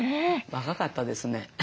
若かったですね。